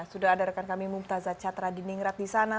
sudah ada rekan kami mumtazah chattradiningrat di sana